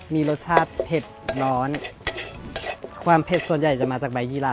ที่จะมาจากเมืองความเผ็ดใบยีหลา